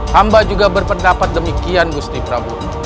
hamba juga berpendapat demikian gusti prabowo